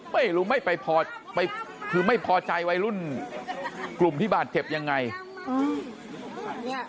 ไม่รู้ไม่ไปพอไปคือไม่พอใจวัยรุ่นกลุ่มที่บาดเจ็บยังไงอืม